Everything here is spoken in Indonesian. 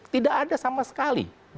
tidak ada sama sekali